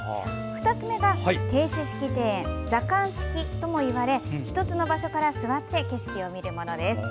２つ目が定視式庭園座観式ともいわれ１つの場所から座って景色を見るものです。